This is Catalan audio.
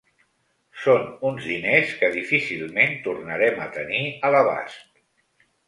Són uns diners que difícilment tornarem a tenir a l’abast.